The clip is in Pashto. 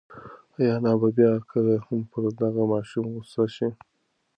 ایا انا به بیا کله هم پر دغه ماشوم غوسه شي؟